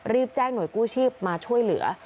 รีบแจ้งหน่วยกู้ชีพมาช่วยเหลือ